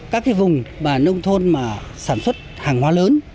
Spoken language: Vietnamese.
các vùng nông thôn sản xuất hàng hoa lớn